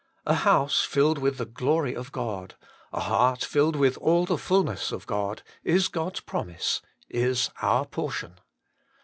A house filled with the glory of God, a heart filled with all the fulness of God, is God's promise, is our portion.